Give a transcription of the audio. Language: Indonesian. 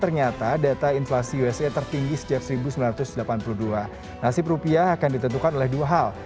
nasib rupiah akan ditentukan oleh dua hal